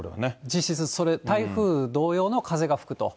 実質それ、台風同様の風が吹くと。